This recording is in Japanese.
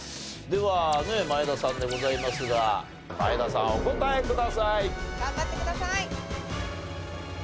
ではね前田さんでございますが前田さんお答えください。頑張ってください。